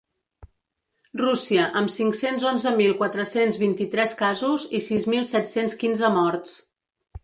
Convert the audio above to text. Rússia, amb cinc-cents onze mil quatre-cents vint-i-tres casos i sis mil set-cents quinze morts.